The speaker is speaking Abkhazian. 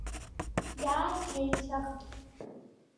Иааџьеишьахт.